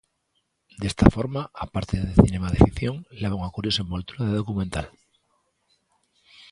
Desta forma, á parte de cinema de ficción, leva unha curiosa envoltura de documental.